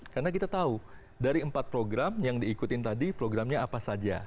karena kita tahu dari empat program yang diikutin tadi programnya apa saja